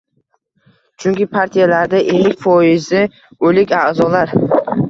chunki partiyalarda ellik foizi «o‘lik» a’zolar.